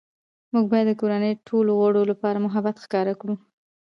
موږ باید د کورنۍ ټولو غړو لپاره محبت ښکاره کړو